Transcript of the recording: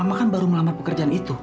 mama kan baru melamar pekerjaan itu